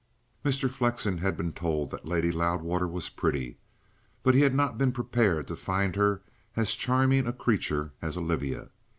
Mr. Flexen had been told that Lady Loudwater was pretty, but he had not been prepared to find her as charming a creature as Olivia.